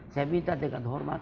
saya minta dengan hormat